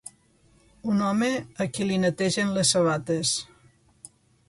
Un home a qui li netegen les sabates.